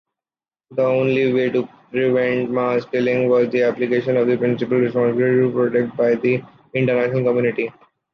The only way to prevent mass killings was the application of the principle of “responsibility to protect” by the international community.